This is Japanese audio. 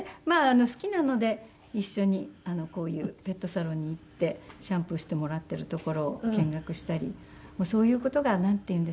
好きなので一緒にこういうペットサロンに行ってシャンプーしてもらっているところを見学したりそういう事がなんていうんですか。